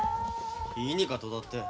いいにかどうだって。